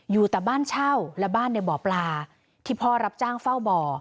อยู่แต่บ้านเช่าและบ้านในบ่อปลาที่พ่อรับจ้างเฝ้าบ่อ